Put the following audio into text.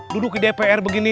duduk di dpr begini